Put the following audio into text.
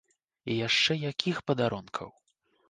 І яшчэ якіх падарункаў!